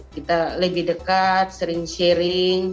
kita lebih dekat sering sharing